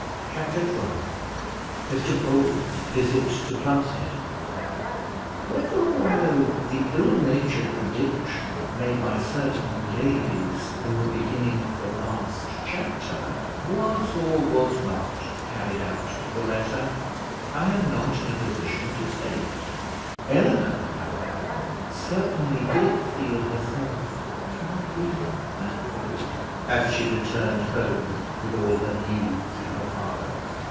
Chapter XII MR BOLD'S VISIT TO PLUMSTEAD Whether or no the ill natured prediction made by certain ladies in the beginning of the last chapter was or was not carried out to the letter, I am not in a position to state. Eleanor, however, certainly did feel herself to have been baffled as she returned home with all her news to her father.